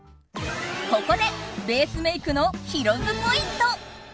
ここでベースメイクのヒロ’ｓポイント。